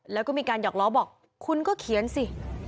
แล้วก็มีการหยอกล้อบอกคุณก็เขียนสิ